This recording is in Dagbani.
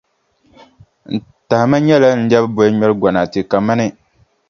N tahima nyɛla n lɛbi bolŋmɛrʼ gonaate kamani.